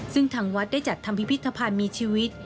ซึ่งทางวัดได้จัดทำพิพิธภัณฑ์มีชีวิต